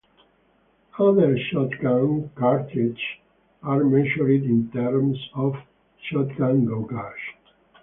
Other shotgun cartridges are measured in terms of "shotgun gauge".